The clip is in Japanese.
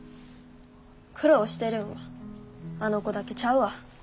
苦労してるんはあの子だけちゃうわ。